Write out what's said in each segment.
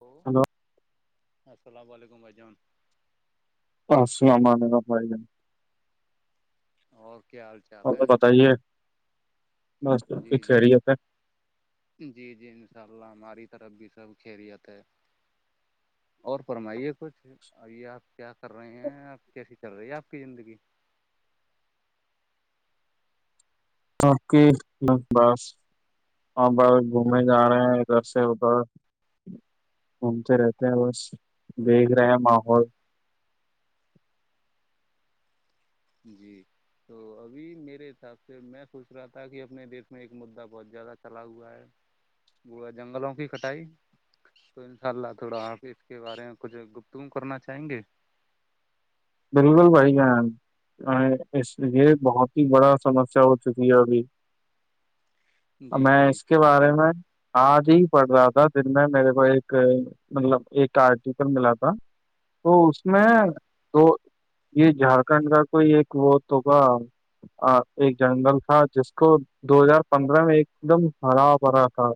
Hello hello السلام علیکم بجان ا سامان کا پ ج اوکے آال آ بتائیے بس سب جی کی جی خیریت ہے جی جی ان شاء اللہ ہماری طرف بھی سب خیریت ہے اور فرمائیے کچھ اورے آپ کیا کر رہے ہیں آپ کیسی چل رہی ہے آپ کی زندگی آپ کے لگ بس اور ب گھومنے جا رہے ہیں ادھر سے ادھر گھومتے رہتے ہیں بس دیکھ رہے ہیں ماحول جی تو ابھی میرے حساب سے میں سوچ رہا تھا کہ اپنے دیش میں ایک مدعا بہت زیادہ چلا ہوا ہے گڑا جنگلوں کی کٹائی تو انشاء اللہ تھوڑا آپ اس کے بارے میں کچھ گپتگو کرنا چاہیں گے بالکل بھائی گ اس یہ بہت ہی بڑا سمسیا ہو چکی ہے ابھی جی میں جی اس کے بارے میں آج ہی پڑھ رہا تھا دن میں میرے کو ایک مطلب ایک آرٹیکل ملا تھا تو اس میں جی تو یہ جھارکھنڈ کا کوئی ایک وہ تو گ ایک جنگل تھا جس کو دو ہزار پندرہ میں ایک دم بھرا پھرا تھا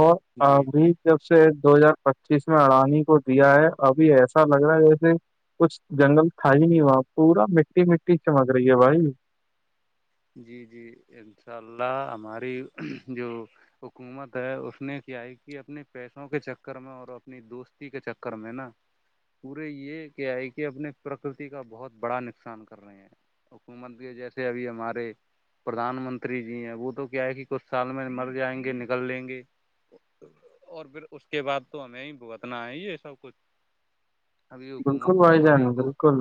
اور جی جی ابھی جب سے دو ہزار پچیس میں اڑانی کو دیا ہے ابھی ایسا لگ رہا ہے جیسے کچھ جنگل تھا ہی نہیں ہوا پورا مٹی مٹی چمک رہی ہے بھائی جی جی انشاء اللہ ہماری جو حکومت ہے اس نے کیا ہے کہ اپنے پیسوں کے چکر میں اور اپنی دوستی کے چکر میں نا پورے یہ کہ آئے کہ اپنے پرکرتی کا بہت بڑا نقصان کر رہے ہیں حکومت کے جیسے ابھی ہمارے پردھان منتری جی ہیں وہ تو کیا ہے کہ کچھ سال میں مر جائیں گے نکل لیں گے اور پھر اس کے بعد تو ہمیں ہی بھگتنا ہے یہ سب کچھ ابھی بالکل حکومت بھائی جان بالکل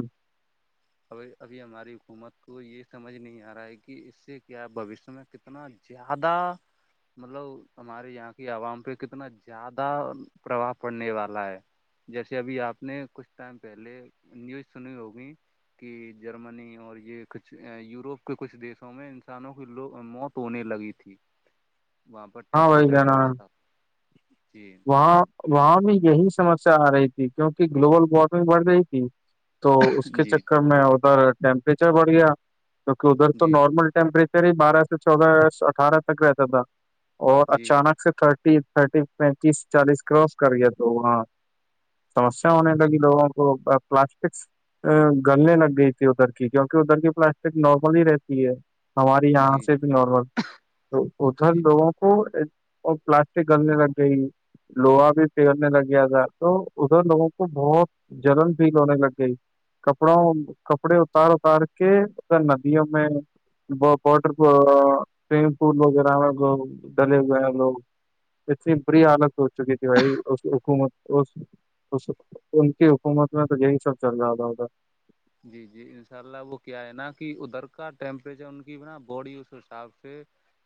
ا ابھی ہماری حکومت کو یہ سمجھ نہیں آ رہا ہے کہ اس سے کیا بوشیہ میں کتنا زیادہ مطلب ہمارے یہاں کی عوام پہ کتنا زیادہ پرباؤ پڑنے والا ہے جیسے ابھی آپ نے کچھ ٹائم پہلے نیوز سنی ہوگی کہ جرمنی اور یہ کچھ یوروپ کچھ دیسوں میں انسانوں کی موت ہونے لگی تھی وہاں پر ہاں بھائی ٹیمپریچر جان ہاں بڑھا تھا تین وہاں وہاں میں یہی سمسیا آ رہی تھی کیوںکہ گلوبل وارمنگ بڑھ رہی تھی تو اس کے جی چکر جی میں ادھر ٹیمپریچر بڑھ گیا کیوںکہ ادھر تو جی نارمل ٹیمپریچر پ بارہ سے چودہ اٹھارہ تک رہتا تھا اور جی اچانک سے تھرٹی تھرٹی پینتیس چالیس کراس کریے تو وہاں سمیا ہونے لگی لوگوں کو پلاسٹک ا گلنے لگ گئی تھی ادھر کی کیونکہ ادھر کی پلاسٹک نارمل ہی رہتی ہے ہماری یہاں سے بھی نارمل ادھر جی لوگوں کو اور پلاسٹک گلنے لگ گئی لوہا بھی پییرنے لگیا تھا تو ادھر لوگوں کو بہت جلن فیل ہونے لگ گئی کپڑا کپڑے اتار اتار کے ندیوں میں بٹر سیومنگ پوول واگیرا میں ڈلے ہوے ہیں لوگ اتنی بری حالت ہوچکی تھی بھائی اس حکومت اس تو ان کی حکومت میں تو یہی سب چل جاتاتا جی جی انشاء اللہ وہ کیا ہے نا کہ ادھر کا ٹیمپریچر ان کی بھی ن باڈی اس حساب سے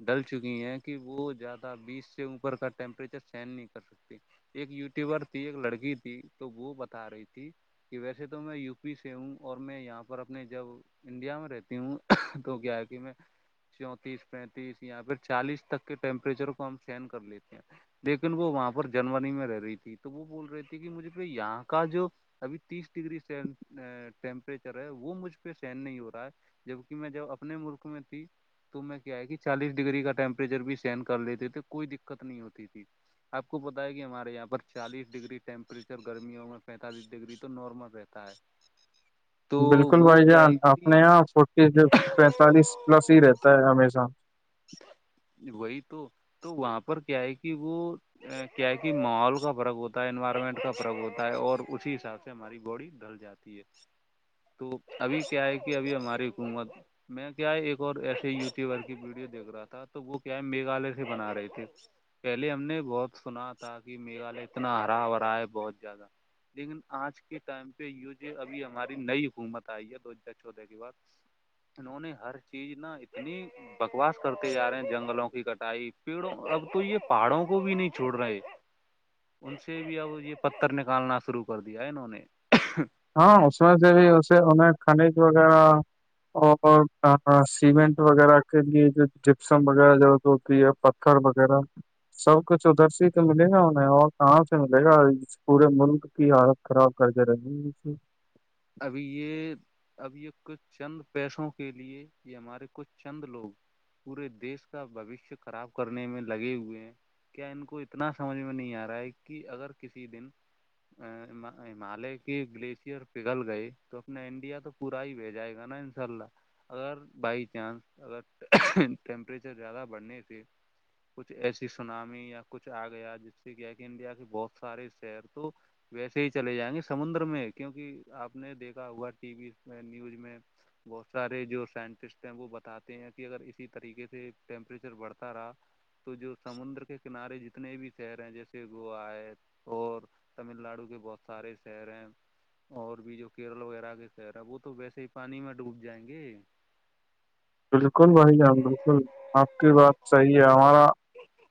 ڈل چکی ہیں کہ وہ زیادہ بیس سے اوپر کا ٹیمپریچر سہن نہیں کر سکتی ایک یوٹیوبر تھی ایک لڑکی تھی تو وہ بتا رہی تھی کہ ویسے تو میں یو پی سے ہوں اور میں یہاں پر اپنے جب انڈیا میں رہتی ہوں تو کیا ہے کہ میں چونتیس پینتیس یاں پھر چالیس تک کے ٹیمپریچر کو ہم سہن کر لیتے ہیں لیکن وہاں پر جرمنی میں رہ رہی تھی تو وہ بول رہی تھی کہ مجھے یہاں کا جو ابھی تیس ڈگری سے ٹیمپریچر ہے وہ مجھ پہ سہن نہیں ہو رہا ہے جبکہ میں جب اپنے ملک میں تھی تو میں کیا ہے کہ چالیس ڈگری کا ٹیمپریچر بھی سین کر لیتے تھے کوئی دقت نہیں ہوتی تھی آپ کو پتا ہے کہ ہمارے یہاں پر چالیس ڈگری ٹیمپریچر گرمیوں میں پینتالیس ڈگری تو نارمل رہتا ہے [inaudible] بالکل وہ بھائی کیا جان ہے کہ اپنے یہاں فورٹی پینتالیس پلس ہی رہتا ہے ہمیشہ وہی تو تو وہاں پر کیا ہے کہ وہ کیا کہ ماحول کا فرق ہوتا ہے انوائرمنٹ کا فرق ہوتا ہے اور اسی حساب سے ہماری باڈی ڈل جات جاتی ہے تو ابھی کیا ہے کہ ابھی ہماری حکومت میں کیا ایک اور ایسیے یوٹیوبر کی ویڈیو دیکھ رہا تھا تو وہ کیا ہے میگھالیہ سے بنا رہے تھے پہلے ہم نے بہت سنا تھا کہ میگھالیہ اتنا ہرا بھرا ہے بہت زیادہ لیکن آج کے ٹائم پہ یو ج ابھی ہماری نئی حکومت آئی ہے دو ہزار چودہ بات انہوں نے ہر چیز نا اتنی بکواس کرتے جا رہے ہیں جنگلوں کی کٹائی پیڑوں اب تو یہ پہاڑوں کو بھی نہیں چھوڑ رہے ان سے بھی اب یہ پتھر نکالنا شروع کر دیا ہے انہوں نے ہاں اس میں سے بھی اسے انیں خنج وغیرہ اور سیمنٹ وغیرہ کے لیے جو جپسم وغیرہ ضرورت ہوتی ہے وغیرہ سب کچھ ادھر سے ہی تو ملے گا انہیں اور کہاں سے ملے گا پورے ملک کی حالت خراب کرکے رکھی ہے ابھی یہ اب یہ کچھ چند پیسوں کے لیے یہ ہمارے کچھ چند لوگ پورے دیش کا بوشیہ خراب کرنے میں لگے ہوئے ہیں کیا ان کو اتنا سمجھ میں نہیں آ رہا ہے کہ اگر کسی دن ہمالیہ کی گلیشئر پگل گئی تو اپنا انڈیا تو پورا ہی بھی جائے گا نا انشاء اللہ اگر بائی چانس اگر ٹیمپریچر زیادہ بڑھنے سے کچھ ایسی سونامی یا کچھ آ گیا جس سے کیا ہے کہ انڈیا کے بہت سارے شہر تو ویسے ہی چلے جائیں گے سمندر میں کیونک کہ آپ نے دیکھا ہوا ٹی وی میں نیوز میں بہت سارے جو سائنٹسٹ ہیں وہ بتاتے ہیں کہ اگر اسی طریقے سے ٹیمپریچر بڑھتا رہا تو جو سمندر کے کنارے جتنے بھی شہر ہیں جیسے گووا ہے اور تمل ناڈو کے بہت سارے شہر ہیں اور بھی جو کیرل وغیرہ کے خر ہے وہ تو ویسے ہی پانی میں ڈوب جائیں گے بالکل بھائی جان بالکل آپ کی بات صحیح ہے ہمارا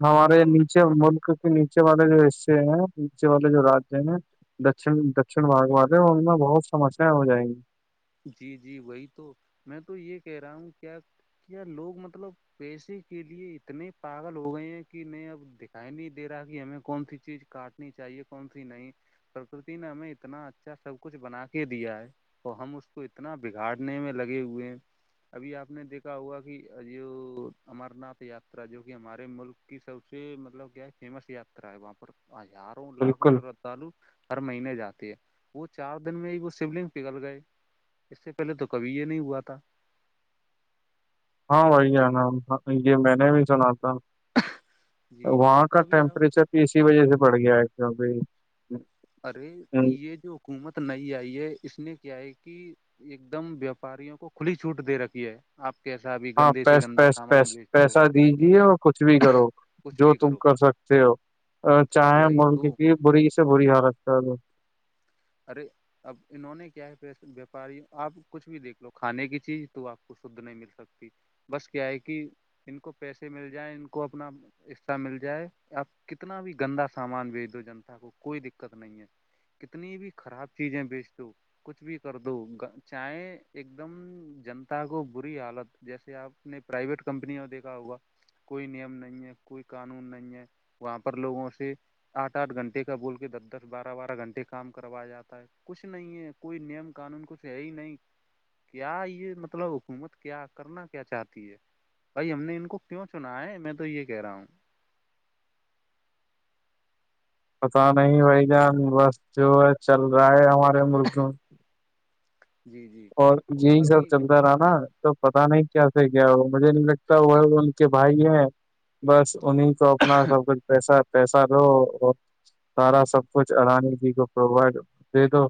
ہمارے نیچے ملک نیچے والے جو حصے ہیں نیچے والے جو رجیہ ہیں دکن دکشن باگ والے ان میں بہت سمسیایں ہو جائیں گی جی جی وہی تو میں تو یہ کہہ رہا ہوں کیا کیا لوگ مطلب پیسے کے لیے اتنے پاگل ہو گئے ہیں کہ نہیں اب دکھائی نہیں دے رہا کہ ہمیں کون سی چیز کاٹ نی چاہیے کون سی نہیں پرکرتی نے ہمیں اتنا اچھا سب کچھ بنا کے دیا ہے اور ہم اس اس کو اتنا بگاڑنے میں لگے ہوئے ہیں ابھی آپ نے دیکھا ہوا کہ جو امر ناتھ یاترا جو کہ ہمارے ملک کی سب سے مطلب کیا ہے فیمس یاترا ہے وہاں پر آزاد لاکھوں بالکل سے تعل ہر مہینے جاتی ہے وہ چار دن میں ہی وہ شیو لنگ پگھل گئے اس سے پہلے تو کبھی یہ نہیں ہوا تھا ہاں بی ہے ن یہ میں نے بھی سنا تھا جی وہاں تو کا ابھی آپ ٹیمپریچر بھی اسی وجہ سے بڑھ گیا ہے کیکہ ارے یہ جو حکومت نئی آئی ہے اس نے کیا ہے کہ ایک دم ویاپاریوں کو کھلی چھوٹ دے رکھی ہے آپ کیسا بھی ہاں گندے سے پس گندا سامان بیچ دو پیسہ دیجیے اور کچھ بھی کرو کچھ جو بھی تم کرو کر سکتے ہو چاہیں وہی ملک تو کی بری سے بری حالت ہے ارے اب انہوں نے کیا ہے وپاری آپ کچھ بھی دیکھ لو کھانے کی چیز تو آپ کو شدھ نہیں مل سکتی بس کیا ہے کہ ان کو پیسے مل جائیں ان کو اپنا اساہ مل جائے آپ کتنا بھی گندا سامان بیچ دو جنتا کو کوئی دقت نہیں ہے اتنی بھی خراب چیزیں بیچ دو کچھ بھی کر دو چاہ ایک دم جنتا کو بری حالت جیسے آپ نہیں پرائیویٹ کمپنییا دیکھا ہوگا کوئی نیم نہیں ہے کوئی قانون نہیں ہے وہاں پر لوگوں سے آٹھ آٹھ گھنٹے کا بول کے دس دس بارہ بارہ گھنٹے کا کام کروایا جاتا ہے کچھ نہیں ہے کوئی نیم قانون کچھ ہے ہی نہیں کیا یہ مطلب حکومت کیا کرنا کیا چاہتی ہے بھائی ہم نے ان کو کیوں چنا ہے میں تو یہ کہہ رہا ہوں پتا نہیں بھائی جان بس جو ہے چل رہا ہے ہمارے ملک میں جی جی اور یہی سب ابھی چل ادھر آنا تو پتا نہیں کیا سے گ ہو مجھے نہیں لگتا وہ ان کے بھائی ہیں بس انہیں کو اپنا سب کچھ پیسہ پیسہ ل اور سارا سب کچھ ررانی جی کو پرووائڈ دے دو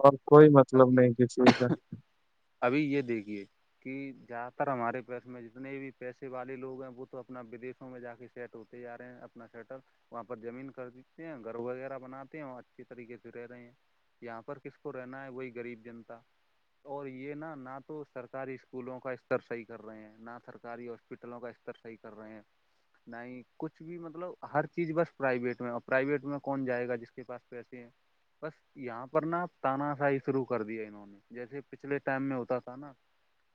اور کوئی مطلب ابھی نہیں کسی کا ابھی یہ دیکھیے کہ زیادہ تر ہمارے پس میں جتنے بھی پیسے والے لوگ ہیں وہ تو اپنا ودیشوں میں جا کے سیٹ ہوتے جا رہے ہیں اپنا شیٹر وہاں پر زمین کر دیتے ہیں گھر وغیرہ بناتے ہیں اور اچھی طریقے سے رہ رہے ہیں یہاں پر کس کو رہنا ہے وہی غریب جنتا اور یہ نہا نہ تو سرکاری اسکولوں کا استر صحیح کر رہے ہیں نہ سرکاری ہاسپٹلوں کا استر صحیح کر رہے ہیں نہیں کچھ بھی مطلب ہر چیز بس پرائیویٹ میں اور پرائیویٹ میں کون جائے گا جس کے پاس پیسے ہیں بس یہاں پر نا آپ تانا س ہی شرو کر دیا انہوں نے جیسے پچھلے ٹائم میں ہوتا تھا نا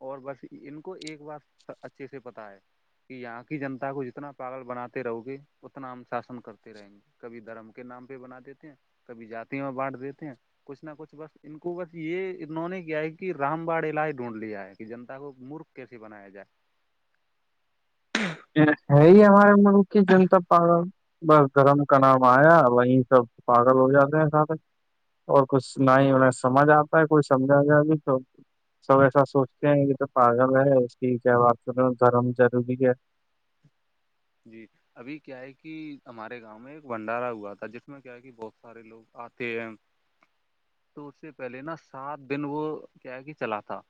اور بس ان کو ایک بار اچھے سے پتا ہے کہ یہاں کی جنتا کو جتنا پاگل بناتے رہو گے اتنا ہم شاسن کرتے رہیں گے کبھی دھرم کے نام پہ بنا دیتے ہیں کبھی جاتوں میں بانٹ دیتے ہیں کچھ نہ کچھ بس ان کو بس یہ انہوں نے کیا ہے کہ رام باڑ علاج ڈھونڈ لیا ہے کہ جنتا کو مور کیسی بنایا جائے ہے ہمار ملک کی جنتا پالا بس گھرم کا نام آیا وہیں سب پاگل ہو جاتے ہیں ساتھ اور کچھ نہ ہی سمجھ آتا ہے کوئی سمجھا جائے نہیں تو سب ایسا سوچتے ہیں یہ تو پاگل ہے ٹھیک ہے وپ دھرم ضروری ہے جی ابھی کیا ہے کہ ہمارے گاؤں میں ایک بھنڈارا ہوا تھا جس میں کیا ہے کہ بہت سارے لوگ آتے ہیں تو اس سے پہلے نا سات دن وہ کیا ہے کہ چلا تھا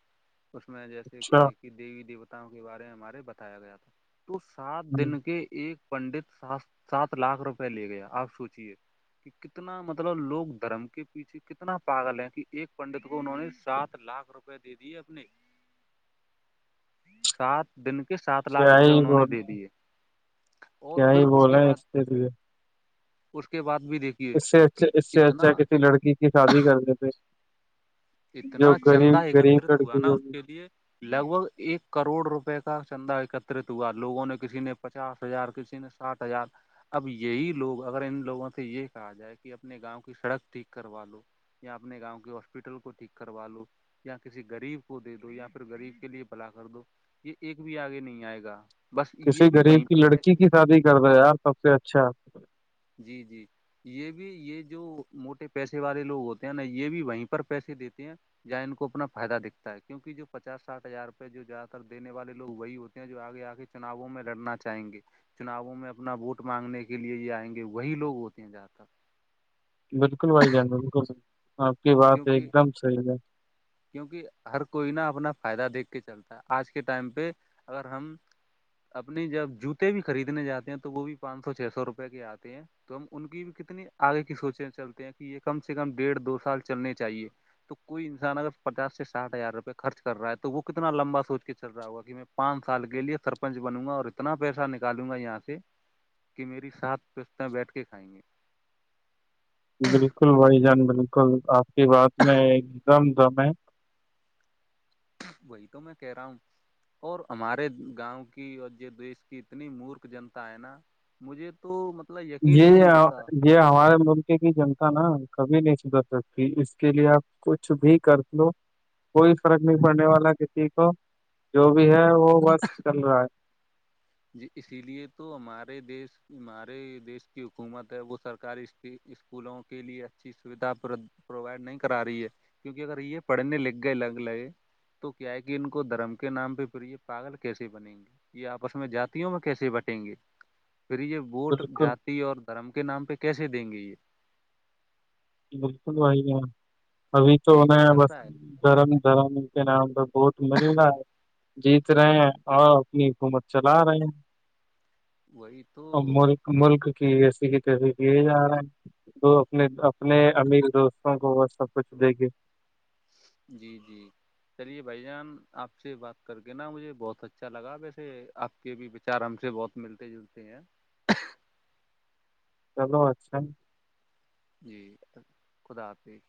اس میں جیسے کیا اچھا ہے کہ دیوی دیوتاؤں کے بارے میں ہمارے بتایا گیا تھا تو سات ہوں۔ دن کہ ایک پنڈت س سات لاکھ روپئے لے گیا آپ سوچیے کہ کتنا مطلب لوگ دھرم کے پیچھے کتنا پاگل ہے کہ ایک پنڈت کو انہوں نے سات لاکھ روپ روپئے دے دیے اپنے [inaudible] سات دن کے سات لاکھ کیا روپئے ہی انہوں نے بول دے دیے اور کیا پھر ہی اس کے بولے بعد لیے اس کے بعد بھی دیکھ اس سے اچھ اس سے اچھا کسی لڑکی کی شادی کرتےتے اتنا چندا ایکتت ہوا لڑکی نا اس ہوگی کے لیے لگ بھگ ایک کروڑ روپے کا چندہ ایکترت ہوا لوگوں نے کسی نے پچاس ہزار کسی نے سٹات ہزار اب یہی لوگ اگر ان لوگوں سے یہ کہا جائے کہ اپنے گاؤں کی سڑک ٹھیک کروا لو یا اپنے گاؤں ہاسپٹل کو ٹھیک کروا لو یا کسی غریب کو دے دو یا پھر غریب کے لیے بلا کر دو یہ ایک بھی آگے نہیں آئے گا بس کسی یہ بھی وہیں غریب کی پر لڑکی کی شادی کر رہے سب سے اچھا جی جی یہ بھی یہ جو موٹے پیسے والے لوگ ہوتے ہیں نا یہ بھی وہیں پر پیسے دیتے ہیں یااں انن کو اپنا فائدہ دکھتا ہے کیونک جو پچاس سٹھ ہزار روپئے جو زیاد تر دینے والے لو وہی ہوتے جو آگے آ کے چوناووں میں لڑنا چاہیں گے چوناؤوں میں اپنا ووٹ مانگنے کے لیے یہ آئیں گے وہی لوگ ہوتے ہیں جہاں تک بالکل بھائی جان بالکل آپ کی بات ہے کیونکہ ایک دم صحیح ہے کیونکہ ہر کوئی نا اپنا فائدہ دیکھ کے چلتا ہے آج کے ٹائم پہ اگر ہم اپنی جب جوتے بھی خریدنے جاتے ہیں تو وہ بھی پانچ سو چھ سو روپے کے آتے ہیں تو ہم ان کی بھی کتنی آگے کی سوچیں چلتے ہیں کہ یہ کم سے کم ڈیڑھ دو سال چلنے چاہیے تو کوئی انسان اگر پچاس سے ساٹھ ہزار روپئے خرچ کر رہا ہے تو وہ کتنا لمبا سوچ کے چل رہا ہوا کہ میں پانچ سال کے لیے سرپنچ بنوں گا اور اتنا پیسہ نکالوں گا یہاں سے کہ میری ساتھ پستں بیٹھ کے کھائیں گے بالکل بھائی جان بالکل آپ کی بات میں ایک دم دم ہے وہی تو میں کہہ رہا ہوں اور ہمارے گاؤں کی اور جو دیش کی اتنی مورکھ جنتا ہے نا مجھے تو مطلب یقین ہی یہ نہیں ہوتا یہ ہمارے ملک کی جنتا نا کبھی نہیں سدھر سکتی اس کے لیے آپ کچھ بھی کر لو کوئی فرق نہیں پڑنے والا کسی کو جو بھی ہے وہ وسٹ چل رہا ہے ج اسی لیے تو ہمارے دیش ہمارے دیش کی حکومت ہے وہ سرکاری اسکولوں کے لیے اچھی سویدھا پرووائڈ نہیں کرا رہی ہے کیونک اگر یہ پڑھنے لکھ گئے الگ الگ تو کیا ہے کہ ان کو دھرم کے نام پہ پے پاگل کیسے بنیں گے یہ آپ ب میں جاتوں میں کیسے بٹیں گے پھر یہ ووٹ بالکل ج اور دھرم کے نام پہ کیسے دیں گے یہ بالکل وہی ہے ابھی تو یہی ہونا چل بس رہا ہے درم دھرم کے نام پ بہت مل رہا ہے جیت رہے ہیں اور اپنی حکومت چلا رہے ہیں وہی تو اور ملک ملک کی ایسی کی تفی یہے جا رہا ہیں تو اپنے اپنے امیر دوستوں کو وہ سب کچھ دے کےے جی جی چلیے بھائی جان آپ سے بات کر کے نا مجھے بہت اچھا لگا ویسے آپ کے بھی بچار ہم سے بہت ملتے جلتے ہیں چلو اچھا جی خدا حافظ